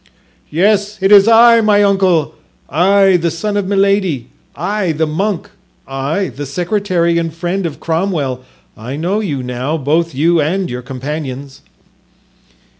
"Yes, it is I, my uncle—I, the son of Milady—I, the monk—I, the secretary and friend of Cromwell—I know you now, both you and your companions."